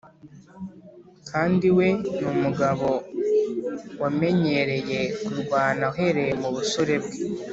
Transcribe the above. kandi we ni umugabo wamenyereye kurwana uhereye mu busore bwe.